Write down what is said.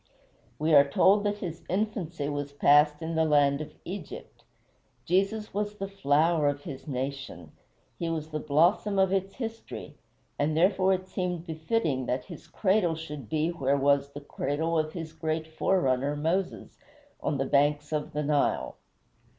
We are told that his infancy was passed in the land of Egypt. Jesus was the flower of his nation, he was the blossom of its history, and therefore it seemed befitting that his cradle should be where was the cradle of his great forerunner, Moses, on the banks of the Nile.